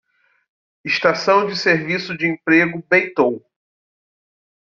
Estação de serviço de emprego Beitou